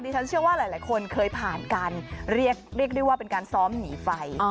ฉันเชื่อว่าหลายคนเคยผ่านการเรียกได้ว่าเป็นการซ้อมหนีไฟ